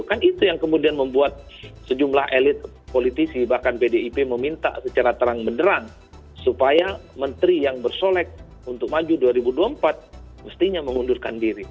kan itu yang kemudian membuat sejumlah elit politisi bahkan pdip meminta secara terang benderang supaya menteri yang bersolek untuk maju dua ribu dua puluh empat mestinya mengundurkan diri